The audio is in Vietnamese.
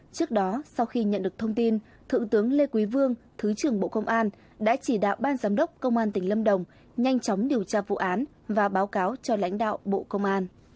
trước đó sau khi nhận được thông tin thượng tướng lê quý vương thứ trưởng bộ công an đã chỉ đạo ban giám đốc công an tỉnh lâm đồng nhanh chóng điều tra vụ án và báo cáo cho lãnh đạo bộ công an